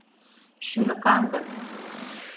Шӱлыкаҥын.